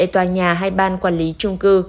tòa nhà hay ban quản lý chung cư